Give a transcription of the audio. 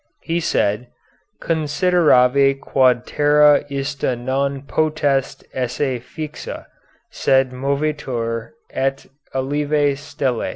He said: "_Consideravi quod terra ista non potest esse fixa, sed movetur ut aliæ stellæ.